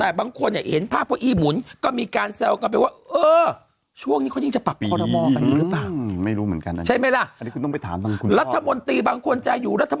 แต่บางคนเห็นภาพของอี้หมุนก็มีการแซวกันไปว่าเออช่วงนี้เขาจริงจะ